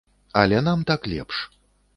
Але нам так лепш.